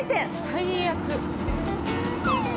最悪。